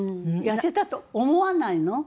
痩せたと思わないの？